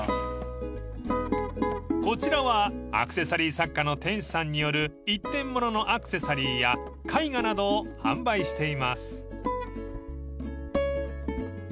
［こちらはアクセサリー作家の店主さんによる一点物のアクセサリーや絵画などを販売しています］